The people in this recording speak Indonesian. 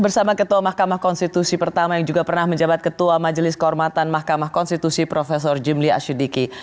bersama ketua mahkamah konstitusi pertama yang juga pernah menjabat ketua majelis kehormatan mahkamah konstitusi prof jimli asyidiki